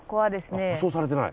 あっ舗装されてない。